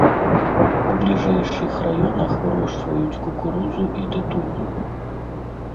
У бліжэйшых раёнах вырошчваюць кукурузу і тытунь.